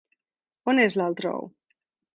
On és l’altre ou?